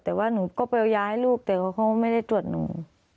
แต่ว่าหนูก็ไปเอายาให้ลูกแต่ว่าเขาไม่ได้ตรวจหนู